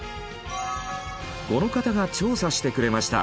この方が調査してくれました。